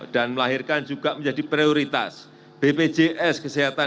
dan melahirkan juga menjadi prioritas bpjs kesehatan